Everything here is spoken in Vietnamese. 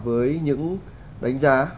với những đánh giá